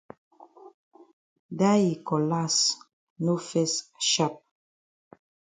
Dat yi cutlass no fes sharp.